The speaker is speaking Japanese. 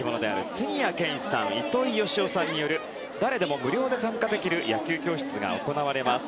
杉谷拳士さんと糸井嘉男さんによる誰でも無料で参加できる野球教室が行われます。